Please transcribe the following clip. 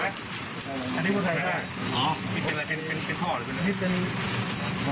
กลุ่มตัวเชียงใหม่จังหวัดเชียงใหม่